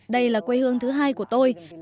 đây là quê hương thứ hai của tôi